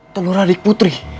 telur adik putri